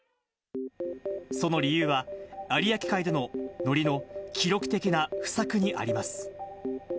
その理由は、有明海でののりの記録的な不作にあります。